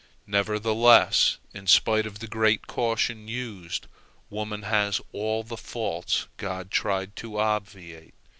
Nevertheless, in spite of the great caution used, woman has all the faults God tried to obviate.